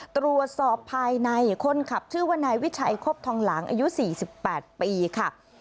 ตรวจสอบภายในคนขับชื่อว่านายวิชัยคบทองหลังอายุ๔๘ปีค่ะ